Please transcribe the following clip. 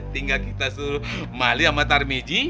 tinggal kita suruh mali sama tarmiji